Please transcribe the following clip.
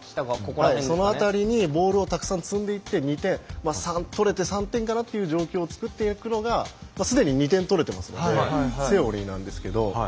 そのあたりにボールをたくさん積んでいって２点取れて３点かなという状況をつくるのがすでに２点取れていますのでセオリーなんですけど。